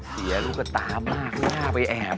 เสียลูกตามากน่าไปแอบ